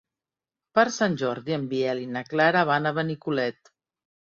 Per Sant Jordi en Biel i na Clara van a Benicolet.